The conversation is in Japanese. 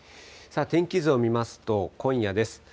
天気図を見ますと、今夜です。